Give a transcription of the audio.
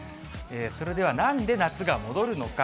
それでは、なんで夏が戻るのか。